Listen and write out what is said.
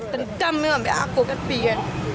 dendam memang ya aku kan biar